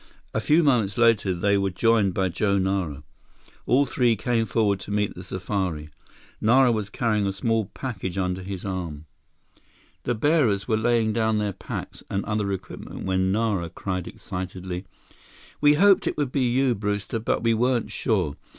A few moments later they were joined by Joe Nara. All three came forward to meet the safari. Nara was carrying a small package under his arm. The bearers were laying down their packs and other equipment when Nara cried excitedly: "We hoped it would be you, Brewster, but we weren't sure.